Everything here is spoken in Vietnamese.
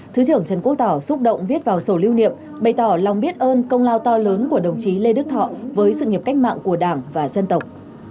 thứ trưởng trần quốc tỏ xúc động viết vào sổ lưu niệm bày tỏ lòng biết ơn công lao to lớn của đồng chí lê đức thọ với sự nghiệp cách mạng của đảng và dân tộc